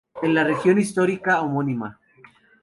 En la región histórica homónima.